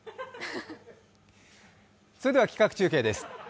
それでは企画中継です。